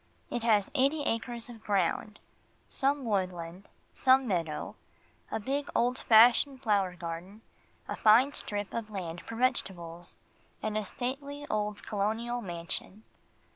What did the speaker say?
It has eighty acres of ground, some woodland, some meadow, a big old fashioned flower garden, a fine strip of land for vegetables, and a stately old colonial mansion.